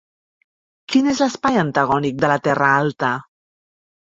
Quin és l'espai antagònic de la Terra alta?